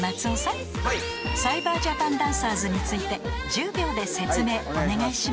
［サイバージャパンダンサーズについて１０秒で説明お願いします］